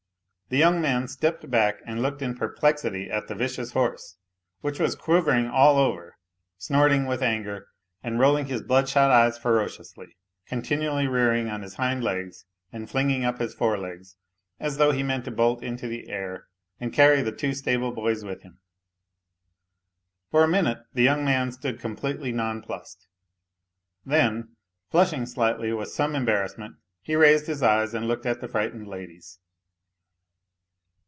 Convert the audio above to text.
The young man stepped back and looked in perplexity at the vicious horse, which was quivering all over, snorting with anger, and rolling his bloodshot eyes ferociously, continually rearing on his hind legs and flinging up his fore legs as though he meant to bolt into the air and carry the two stable boys with him . For a minute the young man stood completely nonplussed; then, flushing slightly with some em barrassment, he raised his eyes and looked at the frightened ladies.